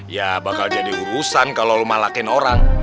ya bakal jadi urusan kalau lo malakin orang